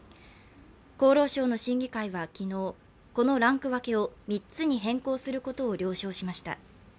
厚労省の審議会は昨日、このランク分けを３つに変更することを了承しました